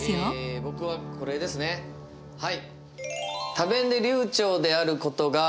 僕はこれですねはい。